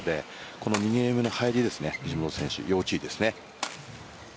この２ゲーム目の入りですね西本選手、要注意ですね。